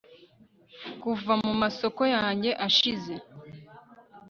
Kuva mu masoko yanjye ashize